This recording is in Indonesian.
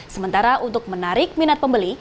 sementara untuk menarik minat pembeli